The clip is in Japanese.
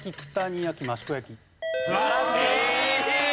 素晴らしい！